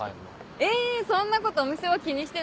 えそんなことお店は気にしてないのに。